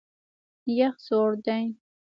یخ سوړ دی.